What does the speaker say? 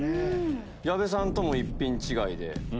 矢部さんとも一品違いで。